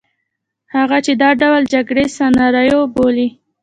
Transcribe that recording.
هغه چې دا ډول جګړې سناریو بولي.